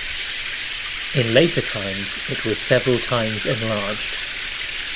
In later times it was several times enlarged.